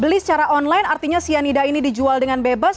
beli secara online artinya cyanida ini dijual dengan bebas